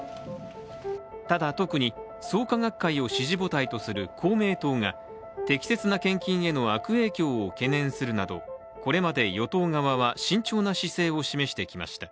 ただ、特に創価学会を支持母体とする公明党が適切な献金への悪影響を懸念するなどこれまで与党側は慎重な姿勢を示してきました